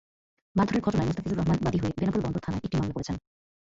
মারধরের ঘটনায় মোস্তাফিজুর রহমান বাদী হয়ে বেনাপোল বন্দর থানায় একটি মামলা করেছেন।